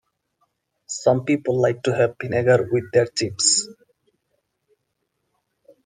Some people like to have vinegar with their chips